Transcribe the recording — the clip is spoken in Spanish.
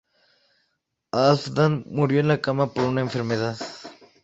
Halfdan murió en la cama por una enfermedad.